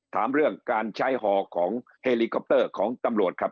ถามเรื่องการใช้ห่อของเฮลิคอปเตอร์ของตำรวจครับ